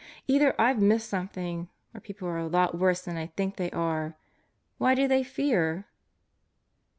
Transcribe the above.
Either I've missed something or people are a lot worse than I think they are. Why do they fear?"